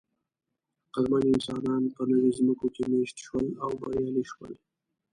عقلمن انسانان په نوې ځمکو کې مېشت شول او بریالي شول.